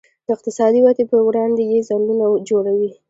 د اقتصادي ودې پر وړاندې یې خنډونه جوړوي.